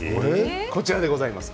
こちらでございます。